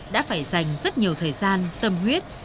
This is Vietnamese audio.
đã phải dành rất nhiều thời gian tâm huyết